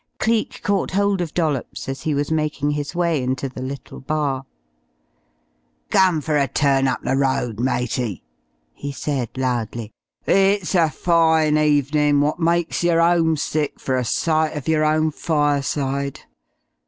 Cleek caught hold of Dollops as he was making his way into the little bar. "Come fer a turn up the road, matey," he said loudly. "It's a fine evenin' wot mykes yer 'omesick fer a sight uf yer own fireside.